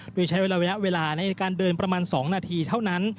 โดยใช้ระยะเวลาในการเดินประมาณ๒นาทีเท่านั้น